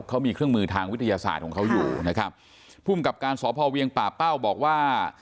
เขามีเครื่องมือทางวิทยาศาสตร์ของเขาอยู่นะครับภูมิกับการสพเวียงป่าเป้าบอกว่า